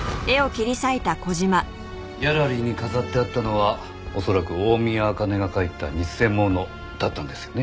ギャラリーに飾ってあったのは恐らく大宮アカネが描いた偽物だったんですよね？